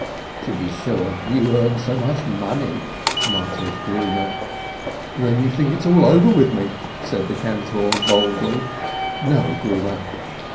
"To be sure, you earn so much money!" muttered Grune. "Then you think it's all over with me?" said the cantor, boldly. "No, Grune!"